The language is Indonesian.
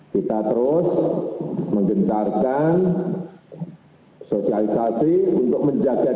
kita terus mengejarkan sosialisasi untuk menjaga jarak